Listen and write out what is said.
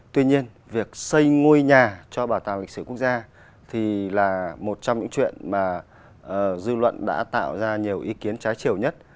tuy nhiên việc xây ngôi nhà cho bảo tàng lịch sử quốc gia thì là một trong những chuyện mà dư luận đã tạo ra nhiều ý kiến trái chiều nhất